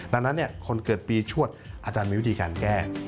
ดังนั้นคนเกิดปีชวดอาจารย์มีวิธีการแก้